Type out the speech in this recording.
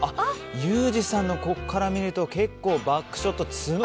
ユージさんのここから見ると結構バックショット、角が。